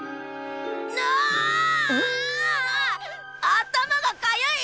頭がかゆい！